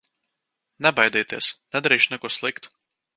Nebaidieties, nedarīšu neko sliktu!